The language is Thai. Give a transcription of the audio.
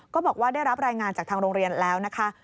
ก็บอกว่าได้รับรายงานจากทางโรงเรียนแล้วนะคะ